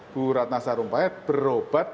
bu ratna sarumpayat berobat